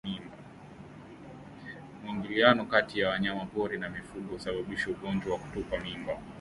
Mwingiliano kati ya wanyamapori na mifugo husababisha ugonjwa wa kutupa mimba